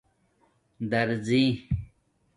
دَرزݵ